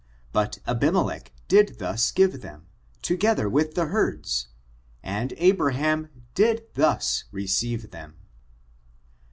But Abimelech did thus give them, together with the herds, and Abraham did thus receive them.